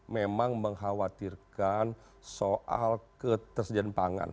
memang mengkhawatirkan soal ketersediaan pangan